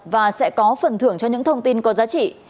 và sẽ có phần thưởng cho những thông tin có giá trị